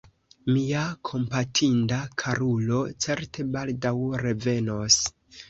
Mia kompatinda karulo certe baldaŭ revenos.